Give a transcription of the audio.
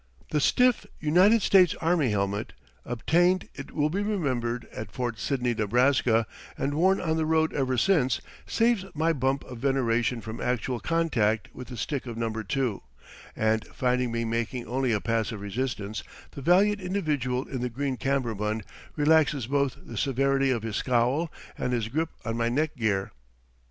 The stiff, United States army helmet, obtained, it will be remembered, at Fort Sidney, Nebraska, and worn on the road ever since, saves my bump of veneration from actual contact with the stick of number two; and finding me making only a passive resistance, the valiant individual in the green kammerbund relaxes both the severity of his scowl and his grip on my neck gear.